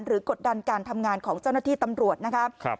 กดดันการทำงานของเจ้าหน้าที่ตำรวจนะครับ